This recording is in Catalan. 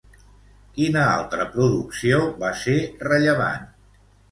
Quina altra producció va ser rellevant?